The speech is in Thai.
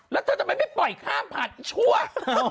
อ๋อแล้วเธอทำไมไม่ปล่อยข้ามผ่านไอ้ชัวร์